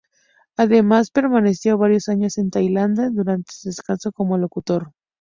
Además permaneció varios años en Tailandia durante su descanso como locutor.